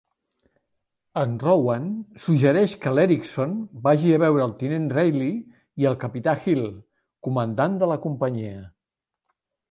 En Rowan suggereix que l'Eriksson vagi a veure el tinent Reilly i el capità Hill, comandant de la companyia.